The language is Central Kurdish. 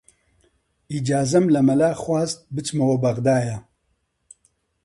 ئیجازەم لە مەلا خواست بچمەوە بەغدایە